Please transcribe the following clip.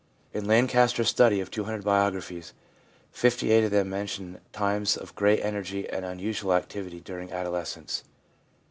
In Lancaster's study of 200 biographies, 58 of them mention times of great energy and unusual activity during adolescence.